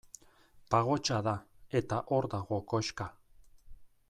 Pagotxa da, eta hor dago koxka.